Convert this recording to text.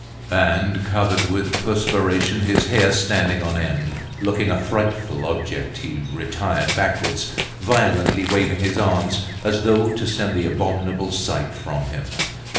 _" And, covered with perspiration, his hair standing on end, looking a frightful object, he retired backwards, violently waving his arms, as though to send the abominable sight from him.